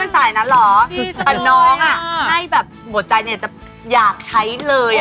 ปัจจุบัติใจเนี่ยจะอยากได้ใช้เลย